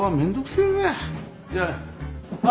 じゃあ。